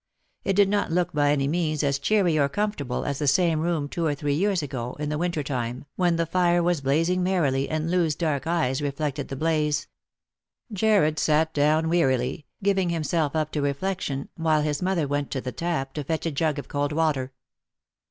It did not look by any means as cheery or comfortable as the same room two or three years ago, in the winter time, when the fire was blazing merrily, and Loo's dark eyes reflected the blaze. Jarred sat down wearily, giving him self up to reflection, while his mother went to the tap to fetch a jug of cold water.